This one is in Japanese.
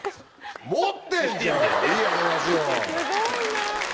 すごいな。